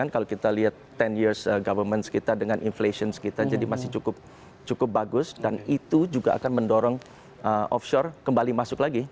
kalau kita lihat sepuluh years government kita dengan inflations kita jadi masih cukup bagus dan itu juga akan mendorong offshore kembali masuk lagi